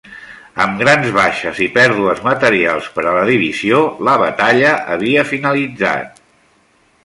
Amb grans baixes i pèrdues materials per a la divisió, la batalla havia finalitzat.